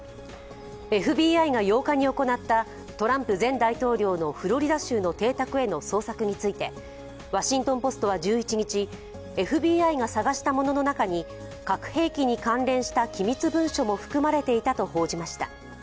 ＦＢＩが８日に行ったトランプ前大統領のフロリダ州の邸宅への捜索について「ワシントン・ポスト」は１１日、ＦＢＩが探したものの中に核兵器に関連した機密文書も含まれていたと報じました。